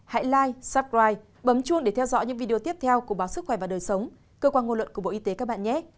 hãy live suppride bấm chuông để theo dõi những video tiếp theo của báo sức khỏe và đời sống cơ quan ngôn luận của bộ y tế các bạn nhé